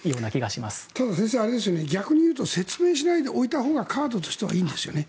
ただ先生、逆に言うと説明しないでいたほうがカードとしてはいいんですよね？